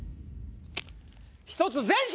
１つ前進！